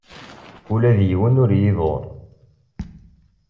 Ula d yiwen ur iyi-iḍurr.